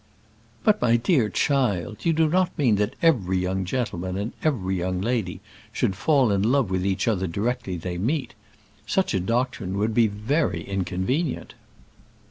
"But, my dear child, you do not mean that every young gentleman and every young lady should fall in love with each other directly they meet! Such a doctrine would be very inconvenient."